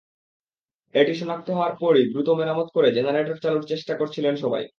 এটি শনাক্ত হওয়ার পরই দ্রুত মেরামত করে জেনারেটর চালুর চেষ্টা করছিলেন সবাই।